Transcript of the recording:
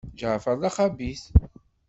Ǧaɛfeṛ d axabit.